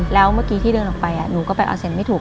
แล้วเมื่อกี้ที่เดินออกไปหนูก็ไปอัเซ็นไม่ถูก